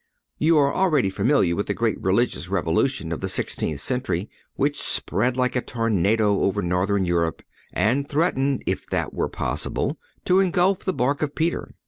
You are already familiar with the great religious revolution of the sixteenth century, which spread like a tornado over Northern Europe and threatened, if that were possible, to engulf the bark of Peter.